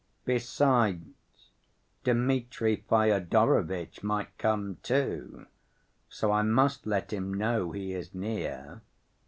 Besides, Dmitri Fyodorovitch might come, too, so I must let him know he is near.